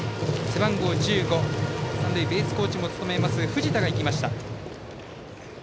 背番号１５三塁ベースコーチも務める藤田が行きました。